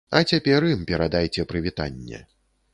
А цяпер ім перадайце прывітанне.